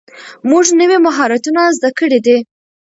موږ نوي مهارتونه زده کړي دي.